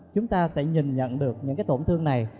chúng ta sẽ nhìn nhận được những tổn thương này